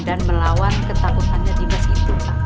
dan melawan ketakutannya dimas itu pak